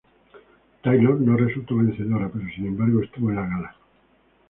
Taylor no resultó vencedora, pero sin embargo estuvo en la gala.